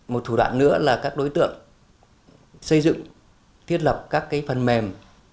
một thủ đoạn nữa là các đối tượng xây dựng thiết lập các phần mềm